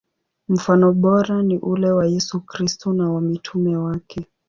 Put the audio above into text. Mfano bora ni ule wa Yesu Kristo na wa mitume wake.